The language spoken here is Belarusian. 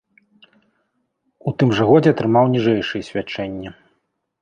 У тым жа годзе атрымаў ніжэйшыя свячэнні.